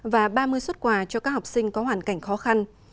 và ba mươi xuất quà cho các học sinh có hoàn cảnh khó khăn